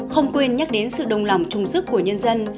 không quên nhắc đến sự đồng lòng trung sức của nhân dân